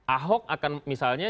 ahok akan misalnya